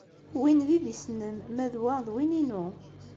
Win d idis-nnem, ma d wa d win-inu.